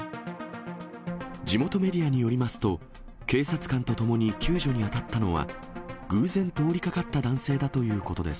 地元メディアによりますと、警察官と共に救助に当たったのは、偶然通りがかった男性だということです。